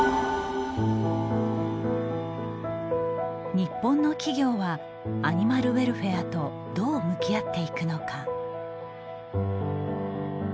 日本の企業はアニマルウェルフェアとどう向き合っていくのか。